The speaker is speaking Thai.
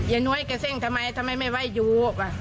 เย้น้วยเขาซึ่งทำไมทำไมไม่ไหว้อยู่ว่ะ